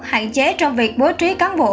hạn chế trong việc bố trí cán bộ